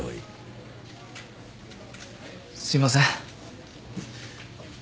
すいません。